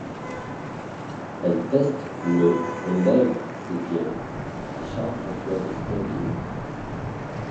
Elle teste le et lègue ses biens à Charles François de Stainville.